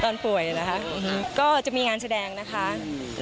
ตอนป่วยนะคะอืมอืมก็จะมีงานแสดงนะคะอืม